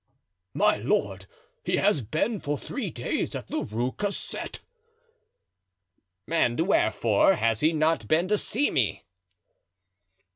"My lord, he has been for three days at the Rue Cassette." "And wherefore has he not been to see me?"